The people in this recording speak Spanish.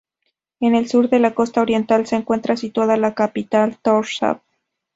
En el sur de la costa oriental se encuentra situada la capital Tórshavn.